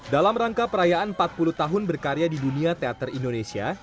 dalam rangka perayaan empat puluh tahun berkarya di dunia teater indonesia